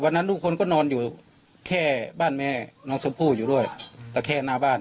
ทุกคนก็นอนอยู่แค่บ้านแม่น้องชมพู่อยู่ด้วยก็แค่หน้าบ้าน